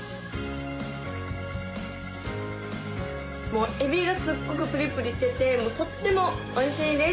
もうエビがすっごくプリプリしててとってもおいしいです